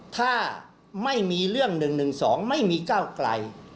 ถ้าไม่มีเรื่อง๑๑๒ไม่มีก้าวไกล